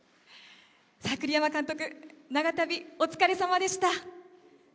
栗山監督、長旅、お疲れさまでした。